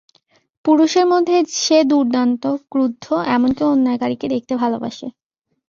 পুরুষের মধ্যে সে দুর্দান্ত, ক্রুদ্ধ, এমন-কি, অন্যায়কারীকে দেখতে ভালোবাসে।